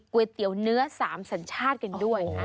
ก๋วยเตี๋ยวเนื้อ๓สัญชาติกันด้วยนะ